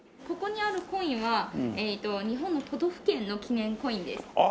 ここにあるコインは日本の都道府県の記念コインです。